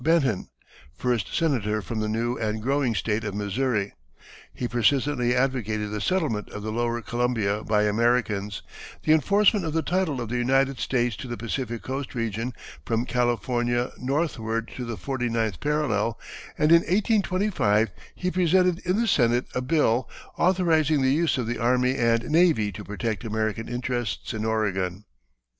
Benton, first Senator from the new and growing State of Missouri. He persistently advocated the settlement of the lower Columbia by Americans, the enforcement of the title of the United States to the Pacific Coast region from California northward to the forty ninth parallel, and in 1825 he presented in the Senate a bill authorizing the use of the army and navy to protect American interests in Oregon.